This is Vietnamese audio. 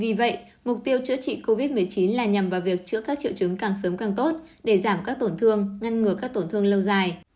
vì vậy mục tiêu chữa trị covid một mươi chín là nhằm vào việc chữa các triệu chứng càng sớm càng tốt để giảm các tổn thương ngăn ngừa các tổn thương lâu dài